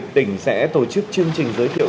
tỉnh sẽ tổ chức chương trình giới thiệu